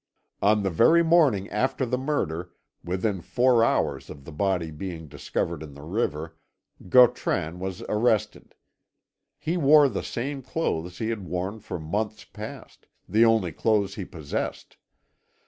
"On the very morning after the murder, within four hours of the body being discovered in the river, Gautran was arrested. He wore the same clothes he had worn for months past, the only clothes he possessed.